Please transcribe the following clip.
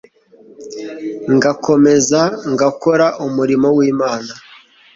ngakomeza ngakora umurimo w'imana